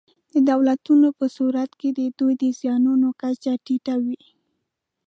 د دولتونو په صورت کې د دوی د زیانونو کچه ټیټه وي.